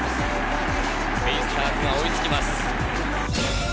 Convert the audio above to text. ベイスターズが追いつきます。